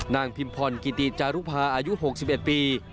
พิมพรกิติจารุภาอายุ๖๑ปี